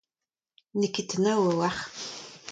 N'eo ket tanav a-walc'h.